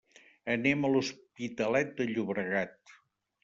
Anem a l'Hospitalet de Llobregat.